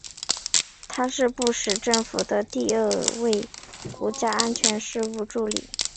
他是布什政府的第二位国家安全事务助理。